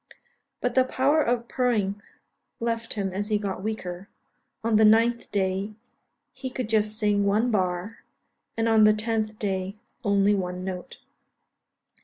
But the power of purring left him as he got weaker; on the 9th day he could just sing one bar, and on the 10th day only one note.